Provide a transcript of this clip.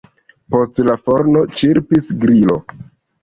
Post la forno ĉirpis grilo.